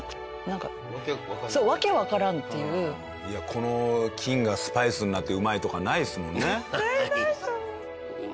この金がスパイスになってうまいとかないですもんね。